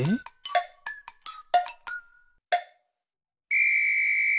ピッ！